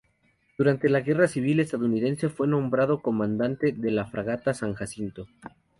Durante la Guerra Civil Estadounidense fue nombrado comandante de la fragata San Jacinto.